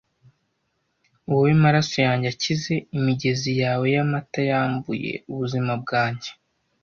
Wowe maraso yanjye akize! imigezi yawe yamata yambuye ubuzima bwanjye!